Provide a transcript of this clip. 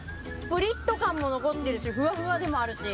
プリっと感も残ってるしフワフワでもあるし。